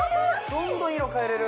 どんどん色変えれる！